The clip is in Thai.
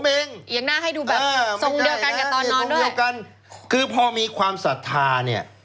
ยังน่าให้ดูแบบทรงเดียวกันกับตอนนอนด้วย